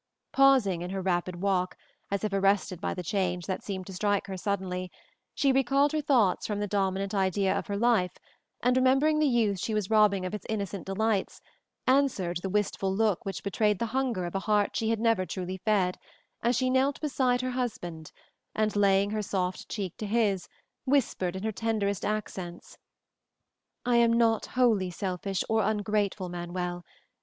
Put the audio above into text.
Pausing in her rapid walk, as if arrested by the change that seemed to strike her suddenly, she recalled her thoughts from the dominant idea of her life and, remembering the youth she was robbing of its innocent delights, answered the wistful look which betrayed the hunger of a heart she had never truly fed, as she knelt beside her husband and, laying her soft cheek to his, whispered in her tenderest accents, "I am not wholly selfish or ungrateful, Manuel.